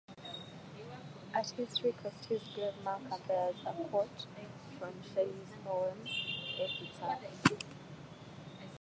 At his request his grave marker bears a quote from Shelley's poem "Epitaph".